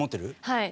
はい。